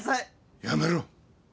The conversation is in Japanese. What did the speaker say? やめろ。